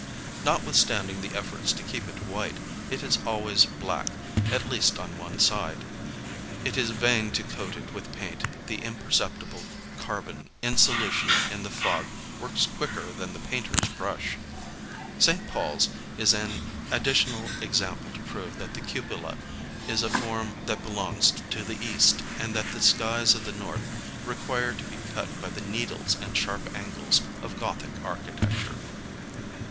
Notwithstanding the efforts to keep it white, it is always black, at least on one side : it is vain to coat it with paint, the imperceptible carbon in solution in the fog works quicker than the painter's brush. St. Paul's is an additional example to prove that the cupola is a form that belongs to the East and that the skies of the North require to be cut by the needles and sharp angles of Gothic architecture.